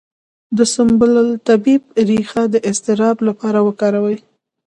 د سنبل الطیب ریښه د اضطراب لپاره وکاروئ